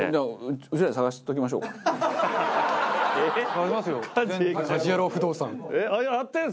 探しますよ。